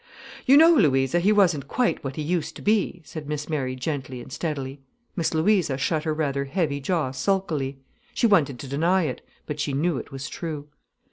"You know, Louisa, he wasn't quite what he used to be," said Miss Mary gently and steadily. Miss Louisa shut her rather heavy jaw sulkily. She wanted to deny it, but she knew it was true.